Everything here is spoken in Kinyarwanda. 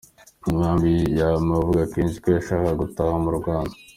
Umwami yamwe avuga kenshi ko yashakaga gutaha mu Rwanda.